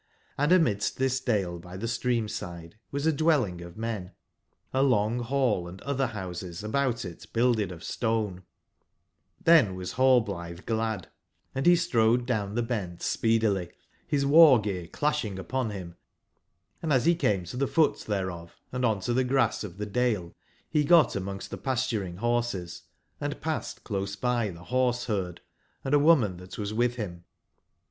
Hnd amidst this dale by the stream/side was a dwelling of men, a long hall, and other houses about it builded of stonej^^hen was Hallblithe glad, and bestrode down the bent speedily, his war/gear clashing upon him : and as became to the foot thereof and on to the grass of the dale, he got amongst the pasturing horses, and passed close by the horse/herd and a woman that was with him.